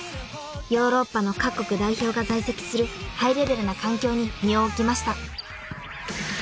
［ヨーロッパの各国代表が在籍するハイレベルな環境に身を置きました］